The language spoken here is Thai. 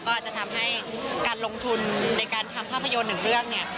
ก็อาจจะทำให้การลงทุนในการทำภาพยนตร์หนึ่งเรื่องเนี่ย